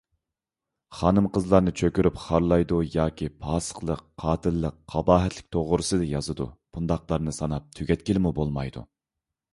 خانىم - قىزلارنى چۆكۈرۈپ خارلايدۇ ياكى پاسىقلىق، قاتىللىق، قاباھەتلىك توغرىسىدا يازىدۇ، بۇنداقلارنى ساناپ تۈگەتكىلىمۇ بولمايدۇ.